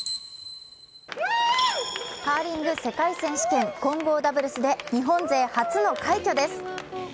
カーリング世界選手権混合ダブルスで日本勢初の快挙です。